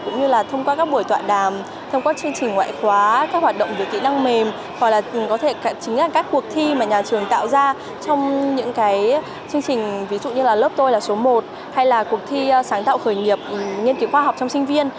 cũng như là thông qua các buổi tọa đàm thông qua chương trình ngoại khóa các hoạt động về kỹ năng mềm hoặc là có thể chính là các cuộc thi mà nhà trường tạo ra trong những cái chương trình ví dụ như là lớp tôi là số một hay là cuộc thi sáng tạo khởi nghiệp nghiên cứu khoa học trong sinh viên